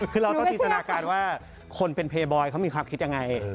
คือเราต้องจินตนาการว่าคนเป็นเพย์บอยเขามีความคิดยังไง